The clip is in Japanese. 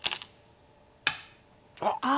あっ！